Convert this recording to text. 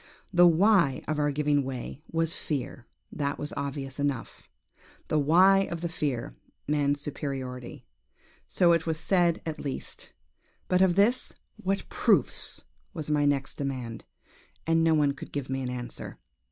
"The why of our giving way, was fear: that was obvious enough; the why of the fear, man's superiority. So it was said, at least; but of this, what proofs? was my next demand; and no one could give me an answer!